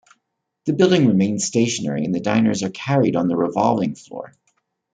The building remains stationary and the diners are carried on the revolving floor.